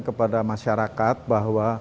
kepada masyarakat bahwa